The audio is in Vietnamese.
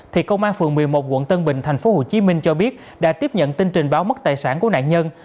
thì công an phường một mươi một quận tân bình tp hcm cho biết đã tiếp nhận tin trình báo mất tài sản của nạn nhân